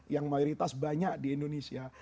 yang mayoritas banyak di indonesia